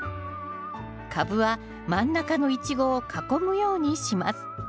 カブは真ん中のイチゴを囲むようにします。